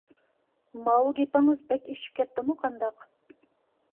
ماۋۇ گېپىڭىز بەك ئېشىپ كەتتىمۇ قانداق؟